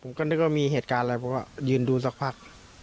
ก็นึกว่ามีเหตุการณ์อะไรเพราะว่ายืนดูสักพัก